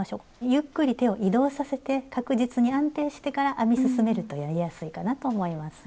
ゆっくり手を移動させて確実に安定してから編み進めるとやりやすいかなと思います。